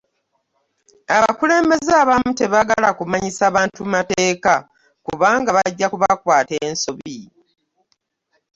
Abakulembeze abamu tebaagala kumanyisa bantu mateeka kubanga bajja kubakwata ensobi.